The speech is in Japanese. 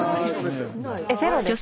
ゼロですか？